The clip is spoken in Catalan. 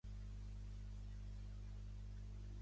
"Layer skipping" infringiria l"arquitectura en capes.